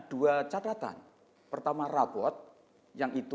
dua catatan pertama rabot yang itu